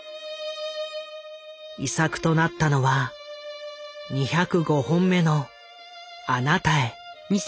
遺作となったのは２０５本目の「あなたへ」。